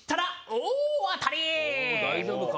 お大丈夫か？